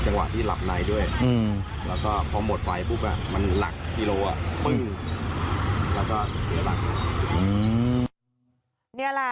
นี่แหละ